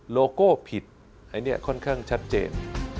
โลโก้ผิดอันนี้ค่อนข้างชัดเจน